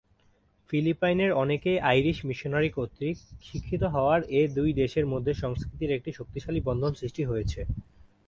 ফিলিপাইনের অনেকেই Irish missionary কর্তৃক শিক্ষিত হওয়ার এ দুই দেশের মধ্যে সংস্কৃতির একটি শক্তিশালী বন্ধন সৃষ্টি হয়েছে।